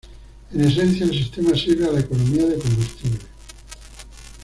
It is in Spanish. En esencia, el sistema sirve a la economía de combustible.